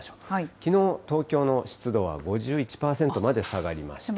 きのう、東京の湿度は５１％まで下がりました。